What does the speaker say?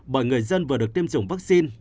bởi người dân vừa được tiêm chủng vaccine